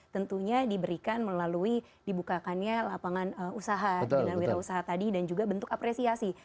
tentunya diberikan melalui dibukakannya lapangan usaha dengan wira usaha tadi dan juga bentuk apresiasi